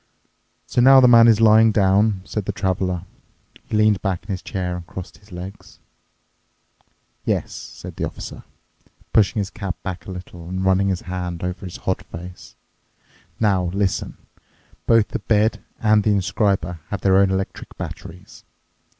"So now the man is lying down," said the Traveler. He leaned back in his chair and crossed his legs. "Yes," said the Officer, pushing his cap back a little and running his hand over his hot face. "Now, listen. Both the bed and the inscriber have their own electric batteries.